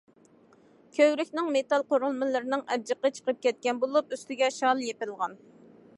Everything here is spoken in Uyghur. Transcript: كۆۋرۈكنىڭ مېتال قۇرۇلمىلىرىنىڭ ئەبجىقى چىقىپ كەتكەن بولۇپ، ئۈستىگە شال يېپىلغان.